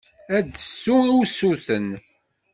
Ad d-tessu usuten.